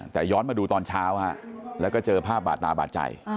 แต่ย้อนมาดูตอนเช้าแล้วก็เจอภาพบาดตาบาดใจ